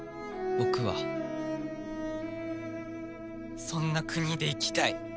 僕はそんな国で生きたい。